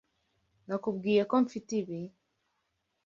Nakubwiye ko mfite ibi?